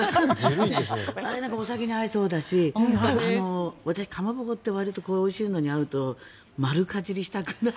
お酒に合いそうだし私、かまぼこっておいしいのに会うと丸かじりしたくなる。